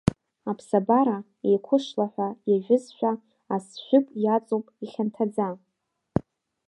Аԥсабара еиқәышлаҳәа иажәызшәа, асышәыб иаҵоуп ихьанҭаӡа.